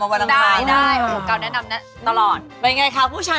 คุณแม่ยิ้มเมื่อกี้มัน